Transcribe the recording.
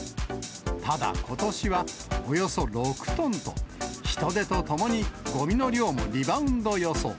ただ、ことしは、およそ６トンと、人出とともにごみの量もリバウンド予想。